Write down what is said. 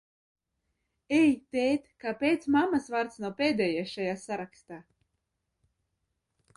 Ei, tēt, kāpēc mammas vārds nav pēdējais šajā sarakstā?